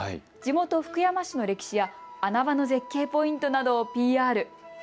地元福山市の歴史や穴場の絶景ポイントなどをＰＲ。